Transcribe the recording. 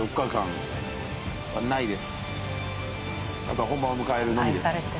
後は本番を迎えるのみです。